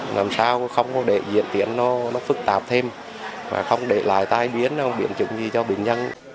làm sao không có để diễn tiến nó phức tạp thêm không để lại tai biến không biện chứng gì cho bệnh nhân